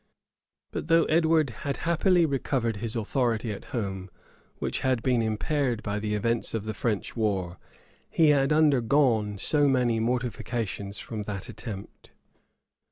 But though Edward had happily recovered his authority at home, which had been impaired by the events of the French war, he had undergone so many mortifications from that attempt.